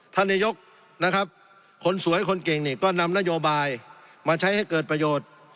ท่านนายกนะครับคนสวยคนเก่งนี่ก็นำนโยบายมาใช้ให้เกิดประโยชน์